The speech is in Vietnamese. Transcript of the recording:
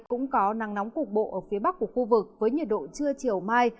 cũng có nắng nóng cục bộ ở phía bắc của khu vực với nhiệt độ trưa chiều mai